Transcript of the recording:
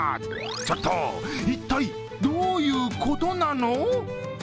ちょっと、一体どういうことなの？